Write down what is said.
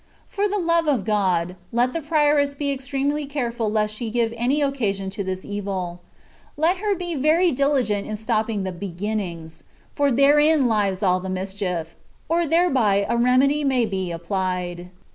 For the love of God, let the prioress be extremely careful lest she give any occasion to this evil : let her be very diligent in stopping the beginnings, for therein lies all the mischief, or thereby a remedy may be ap plied.